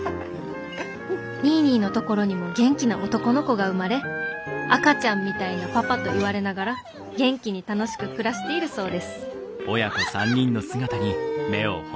「ニーニーのところにも元気な男の子が生まれ『赤ちゃんみたいなパパ』と言われながら元気に楽しく暮らしているそうです」。